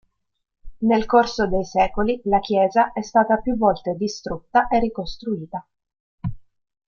Nel corso dei secoli la chiesa è stata più volte distrutta e ricostruita.